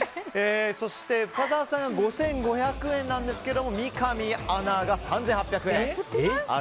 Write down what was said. そして、深澤さんが５５００円なんですが三上アナが３８００円。